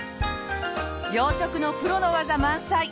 洋食のプロの技満載！